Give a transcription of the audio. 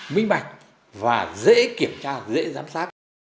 minh mạch và dễ kiểm tra dễ giám sát